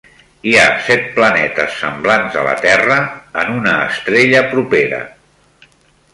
Hi ha set planetes semblants a la Terra en una estrella propera